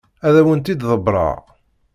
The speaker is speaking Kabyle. Ad awen-tt-id-ḍebbreɣ.